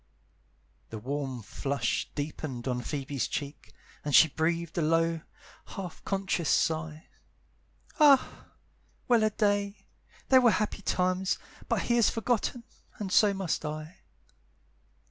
The warm flush deepened on Phoebe's cheek, And she breathed a low, half conscious sigh; "Ah, well a day! they were happy times, But he has forgotten, and so must I."